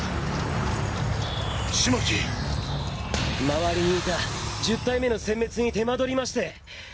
周りにいた１０体目の殲滅に手間取りまして。